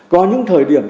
có những thời điểm